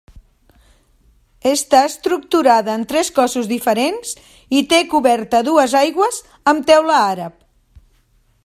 Està estructurada en tres cossos diferents i té coberta a dues aigües amb teula àrab.